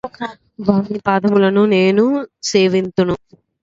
వాని పాదములను నేను సేవింతును